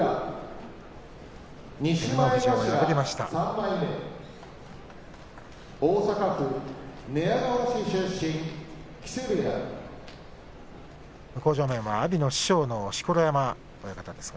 照ノ富士を破りました阿炎です。